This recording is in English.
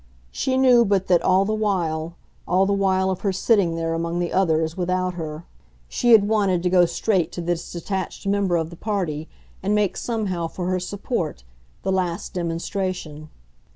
She knew but that, all the while all the while of her sitting there among the others without her she had wanted to go straight to this detached member of the party and make somehow, for her support, the last demonstration.